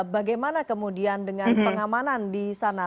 bagaimana kemudian dengan pengamanan di sana